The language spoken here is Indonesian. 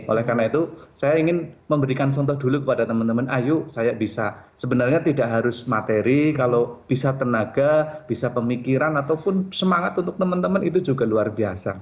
oleh karena itu saya ingin memberikan contoh dulu kepada teman teman ayo saya bisa sebenarnya tidak harus materi kalau bisa tenaga bisa pemikiran ataupun semangat untuk teman teman itu juga luar biasa